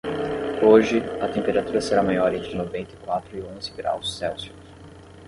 Hoje, a temperatura será maior entre noventa e quatro e onze graus Celsius.